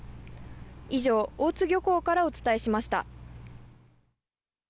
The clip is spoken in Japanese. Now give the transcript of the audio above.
以上、大津漁港からお伝えしました。